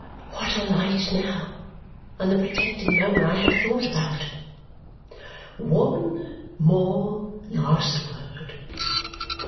What a light, now, on the protecting manner I had thought about! "One more last word.